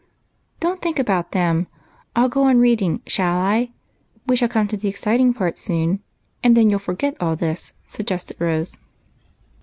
" Don't think about them ; I '11 go on reading, shall I? We shall come to the exciting part soon, and then you'll forget all this," suggested Rose.